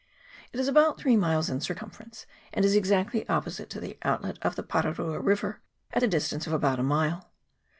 It is about three miles in circumference, and is exactly opposite to the outlet of the Pararua River, at the distance of about a mile.